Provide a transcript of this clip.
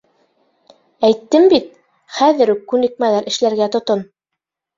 Әйттем бит, хәҙер үк күнекмәләр эшләргә тотон.